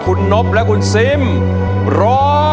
คุณนบและคุณซิมร้อง